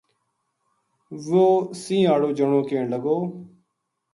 وہ سَینہ ہاڑو جنو کہن لگو